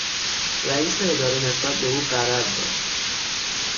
رئیس اداره نسبت به او غرض داشت.